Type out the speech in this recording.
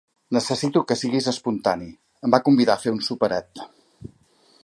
Necessito que siguis espontani. Em va convidar a fer un "soparet".